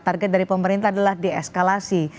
target dari pemerintah adalah deeskalasi